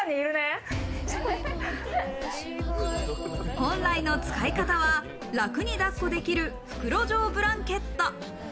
本来の使い方は楽に抱っこできる袋状ブランケット。